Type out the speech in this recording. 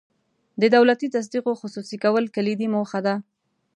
د دولتي تصدیو خصوصي کول کلیدي موخه ده.